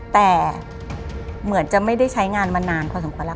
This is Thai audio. แต่เหมือนจะไม่ได้ใช้งานมานานพอสมควรแล้ว